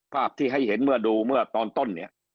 ภาพที่ให้เห็นเมื่อดูเมื่อตอนต้นเนี่ย